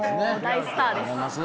大スターです。